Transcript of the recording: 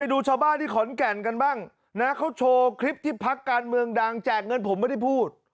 ดูชาวบ้านที่ขอนแก่นกันบ้างนะเขาโชว์คลิปที่พักการเมืองดังแจกเงินผมไม่ได้พูด